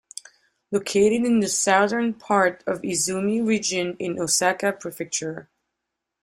Located in the southern part of Izumi Region in Osaka Prefecture.